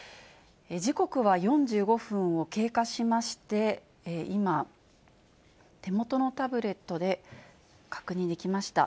時刻は４５分を経過しまして、今、手元のタブレットで確認できました。